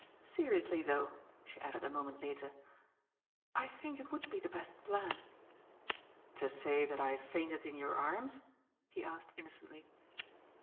"Seri ously though," she added a moment later. "I think It would be the best plan." ^ "To say that I fainted in your anns?" he asked innocently.